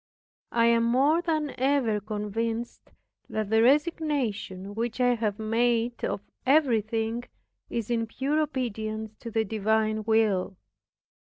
I am more than ever convinced that the resignation which I have made of everything is in pure obedience to the divine will.